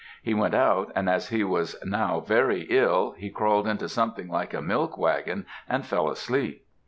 He went out, and, as he was now very ill, he crawled into something like a milk wagon and fell asleep.